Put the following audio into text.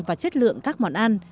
và chất lượng các món ăn